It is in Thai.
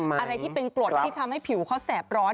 อะไรที่เป็นกรดที่ทำให้ผิวเขาแสบร้อน